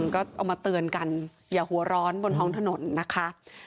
ก็เอามาเตือนกันอย่าหัวร้อนบนท้องถนนนะคะ